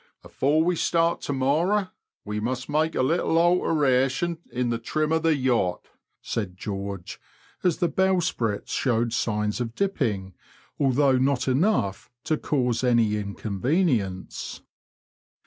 Before we start to morrow we must make a little alteration in the trim of the yacht," said George, as the bowsprit showed signs of dipping, although not enough to cause any inconvenience.